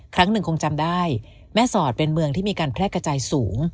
ครั้งหนึ่งคงจำได้แม่สอดเป็นเมืองที่มีการแพร่กระจายสูง